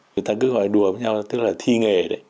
người ta cứ gọi đùa với nhau là thi nghề